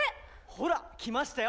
ほら来ましたよ。